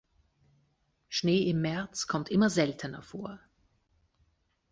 Schnee im März kommt immer seltener vor.